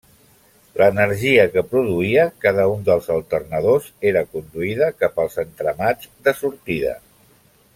L'energia que produïa cada un dels alternadors, era conduïda cap als entramats de sortida.